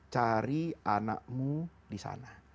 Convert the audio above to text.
cari anakmu disana